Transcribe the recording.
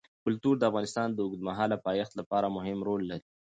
کلتور د افغانستان د اوږدمهاله پایښت لپاره مهم رول لري.